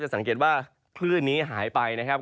สังเกตว่าคลื่นนี้หายไปนะครับ